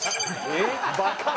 えっ？